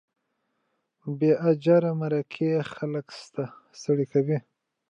بې اجره مرکې خلک ستړي کوي.